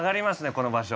この場所。